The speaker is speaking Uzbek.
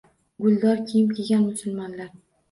Guldor kiyim kiygan musulmonlar